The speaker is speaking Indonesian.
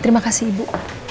terima kasih ibu